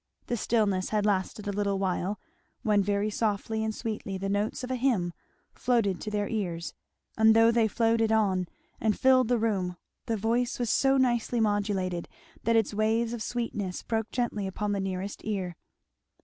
The stillness had lasted a little while, when very softly and sweetly the notes of a hymn floated to their ears, and though they floated on and filled the room, the voice was so nicely modulated that its waves of sweetness broke gently upon the nearest ear.